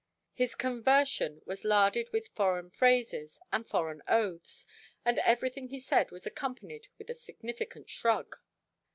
His conversion was larded with foreign phrases and foreign oaths, and every thing he said was accompanied with a significant shrug.